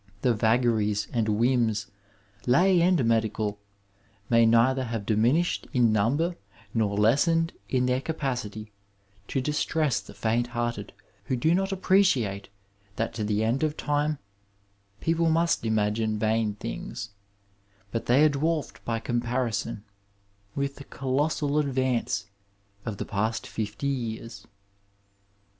The vagaries and whims, lay and medical, may neither have diminished in nmnber nor lessened in their oapaicdtj to distress the faint hearted who do not appreciate that to the end of time people must imagine vain things, but Hiey are dwarfed by comparison with the colossal advance of the past fifty years.